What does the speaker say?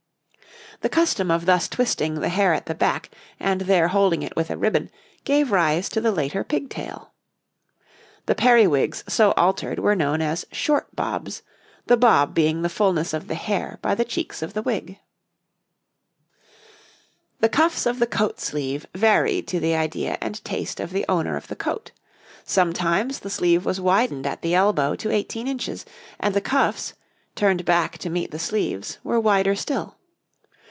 The custom of thus twisting the hair at the back, and there holding it with a ribbon, gave rise to the later pigtail. The periwigs so altered were known as short bobs, the bob being the fullness of the hair by the cheeks of the wig. [Illustration: {A man of the time of William and Mary}] The cuffs of the coat sleeve varied to the idea and taste of the owner of the coat; sometimes the sleeve was widened at the elbow to 18 inches, and the cuffs, turned back to meet the sleeves, were wider still.